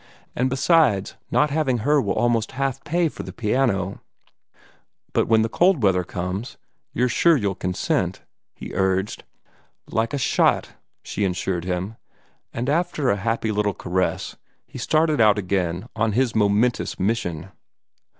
And, besides, not having her will almost half pay for the piano." "But when cold weather comes, you're sure you'll consent?" he urged. "Like a shot!" she assured him, and, after a happy little caress, he started out again on his momentous mission.